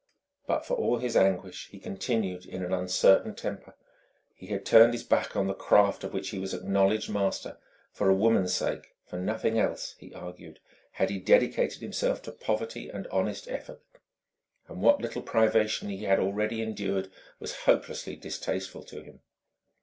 But for all his anguish, he continued in an uncertain temper. He had turned his back on the craft of which he was acknowledged master for a woman's sake; for nothing else (he argued) had he dedicated himself to poverty and honest effort; and what little privation he had already endured was hopelessly distasteful to him.